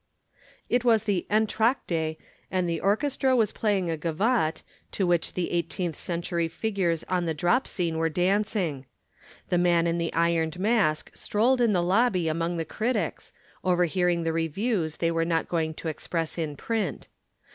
It was the entr'acte and the orchestra was playing a gavotte, to which the eighteenth century figures on the drop scene were dancing. The Man in the Ironed Mask strolled in the lobby among the critics, overhearing the views they were not going to express in print.